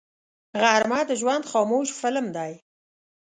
غرمه د ژوند خاموش فلم دی